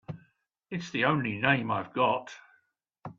It's the only name I've got.